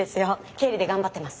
経理で頑張ってます。